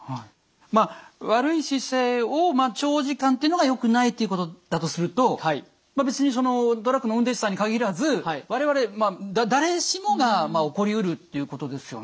まあ悪い姿勢を長時間っていうのがよくないっていうことだとすると別にトラックの運転手さんに限らず我々誰しもが起こりうるっていうことですよね。